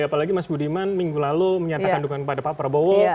apalagi mas budiman minggu lalu menyatakan dukungan kepada pak prabowo